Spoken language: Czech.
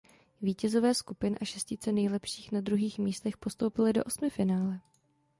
Vítězové skupin a šestice nejlepších na druhých místech postoupili do osmifinále.